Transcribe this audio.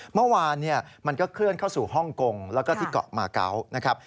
เมื่อวานมันก็เคลื่อนเข้าสู่ฮ่องกงแล้วก็ที่เกาะมาเกาะนะครับ